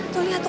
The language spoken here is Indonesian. tuh lihat tuh